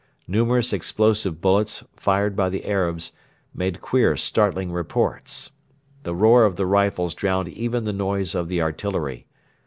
Numerous explosive bullets, fired by the Arabs, made queer startling reports. The roar of the rifles drowned even the noise of the artillery.